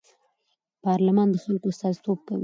پارلمان د خلکو استازیتوب کوي